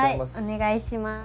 お願いします。